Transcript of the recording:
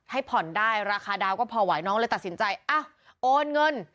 ให้ผ่อนได้ราคาดาวก็พอไหวน้องเลยตัดสินใจอ้าวโอนเงิน